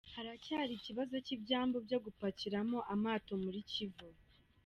Haracyari ikibazo cy’ibyambu byo guparikamo amato muri Kivu.